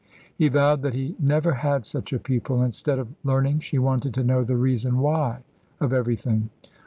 He vowed that he never had such a pupil; instead of learning, she wanted to know the reason why of everything.